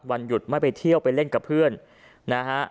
วันหยุดไม่ไปเที่ยวไปเล่นกับเพื่อนนะฮะ